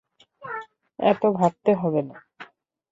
এত ভাবতে হবে না।